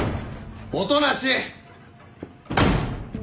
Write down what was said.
音無！